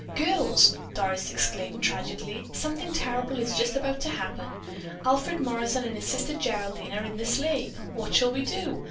"Girls!" Doris exclaimed tragically. "Something terrible is just about to happen. Alfred Morrison and his sister, Geraldine, are in the sleigh. What shall we do?